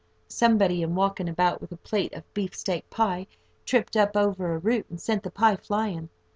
Somebody, in walking about with a plate of beef steak pie, tripped up over a root, and sent the pie flying.